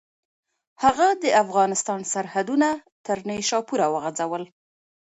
هغه د افغانستان سرحدونه تر نیشاپوره وغځول.